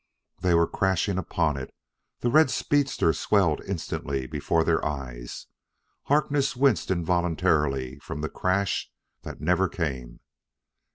They were crashing upon it; the red speedster swelled instantly before their eyes. Harkness winced involuntarily from the crash that never came.